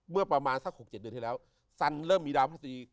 เมื่อประมาณสัก๖๗เดือนที่แล้วสันเริ่มมีดาวพระศรี